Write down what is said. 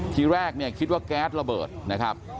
ที่แรกคิดว่าแก๊สระเบิดนะครับ